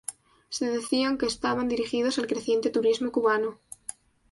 Se decían que estaban dirigidos al creciente turismo cubano.